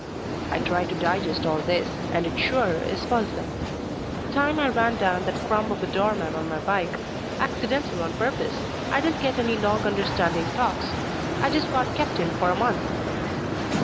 I try to digest all this, and it sure is puzzling. The time I ran down that crumb of a doorman on my bike, accidental on purpose, I didn't get any long understanding talks. I just got kept in for a month.